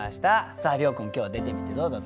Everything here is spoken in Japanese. さあ諒君今日は出てみてどうだったでしょうか？